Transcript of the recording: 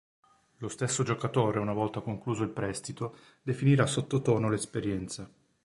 Lo stesso giocatore, una volta concluso il prestito, definirà sottotono l'esperienza.